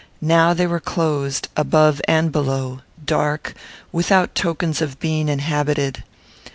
Now they were closed, above and below; dark, and without tokens of being inhabited.